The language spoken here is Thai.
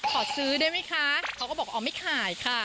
ขอซื้อได้ไหมคะเขาก็บอกอ๋อไม่ขายค่ะ